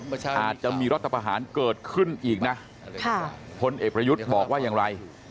อาจจะมีรัฐประหารเกิดขึ้นอีกนะพลเอกประยุทธ์บอกว่าอย่างไร